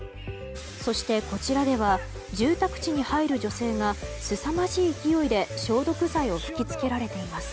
そして、こちらでは住宅地に入る女性がすさまじい勢いで消毒剤を吹き付けられています。